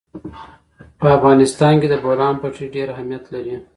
په افغانستان کې د بولان پټي ډېر اهمیت لري.